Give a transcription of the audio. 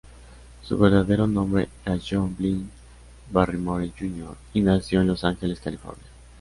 Su verdadero nombre era John Blyth Barrymore, Jr., y nació en Los Ángeles, California.